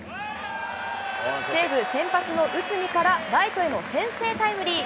西武、先発の内海から、ライトへの先制タイムリー。